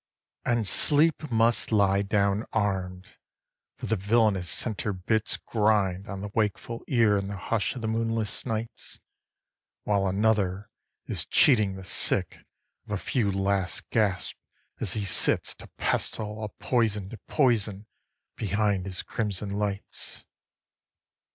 11. And Sleep must lie down arm'd, for the villainous centre bits Grind on the wakeful ear in the hush of the moonless nights, While another is cheating the sick of a few last gasps, as he sits To pestle a poison'd poison behind his crimson lights.